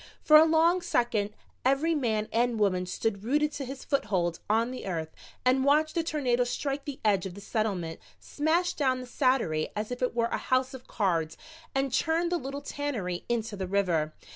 For a long second every man and woman stood rooted to his foothold on the earth and watched the tornado strike the edge of the Settlement, smash down the saddlery as if it were a house of cards, and churn the little tannery into the river.